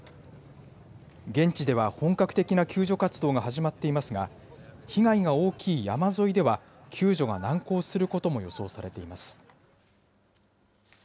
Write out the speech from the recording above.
現地では本格的な救助活動が始まっていますが、被害が大きい山沿いでは、救助が難航することも予想されています。